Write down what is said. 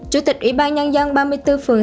chủ tịch ủy ban nhân dân ba mươi bốn phường